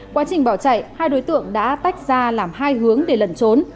quá trình bỏ chạy hai đối tượng đã tách ra làm hai hướng để lẩn trốn